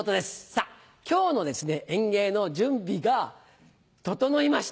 さぁ今日の演芸の準備がととのいました。